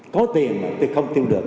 có tiền mà không tiêu được